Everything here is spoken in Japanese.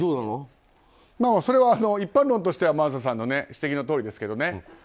それは一般論としては真麻さんの指摘のとおりですけど。